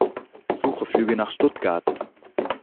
Suche Flüge nach Stuttgart.